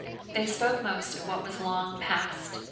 They spoke most of what was long past.